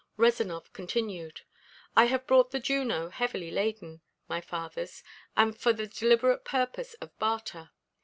Rezanov continued: "I have brought the Juno heavy laden, my fathers, and for the deliberate purpose of barter.